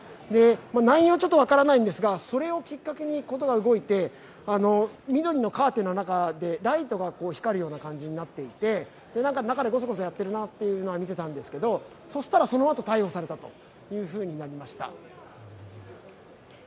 内容は分からないんですがそれをきっかけに事が動いて、緑のカーテンの中でライトが光るような感じになっていて中でごそごそやっているなというのは見ていたんですがそしたら、その後、逮捕されたというふうになりました。